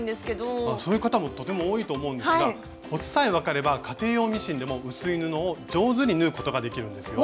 そういう方もとても多いと思うんですがコツさえ分かれば家庭用ミシンでも薄い布を上手に縫うことができるんですよ。